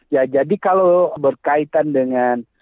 ya jadi kalau berkaitan dengan